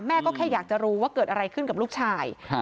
แม่ก็แค่อยากจะรู้ว่าเกิดอะไรขึ้นกับลูกชาย